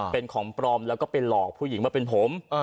เป็นของปลอมแล้วก็ไปหลอกผู้หญิงมาเป็นผม